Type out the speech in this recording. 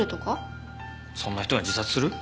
そんな人が自殺する？